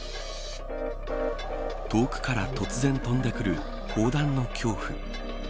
遠くから突然飛んでくる砲弾の恐怖。